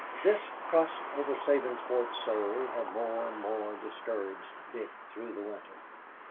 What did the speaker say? This crust over Sabinsport's soul had more and more discouraged Dick through the winter.